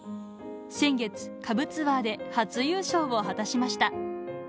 先月、下部ツアーで初優勝を果たしました。